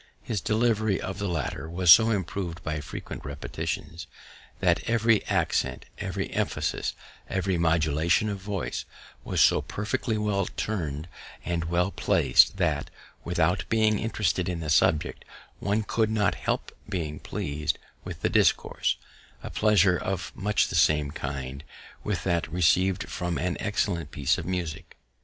His delivery of the latter was so improv'd by frequent repetitions that every accent, every emphasis, every modulation of voice, was so perfectly well turn'd and well plac'd, that, without being interested in the subject, one could not help being pleas'd with the discourse; a pleasure of much the same kind with that receiv'd from an excellent piece of musick.